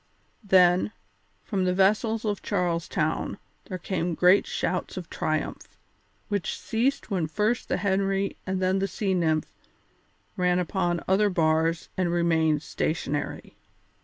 Then, from the vessels of Charles Town there came great shouts of triumph, which ceased when first the Henry and then the Sea Nymph ran upon other bars and remained stationary.